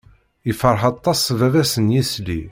Ifreḥ aṭas baba-s n yisli.